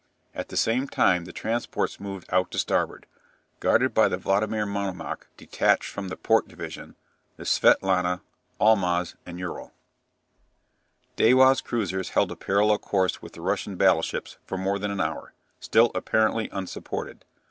At the same time the transports moved out to Starboard, guarded by the "Vladimir Monomach" (detached from the port division), the "Svietlana," "Almaz," and "Ural." Dewa's cruisers held a parallel course with the Russian battleships for more than an hour, still apparently unsupported.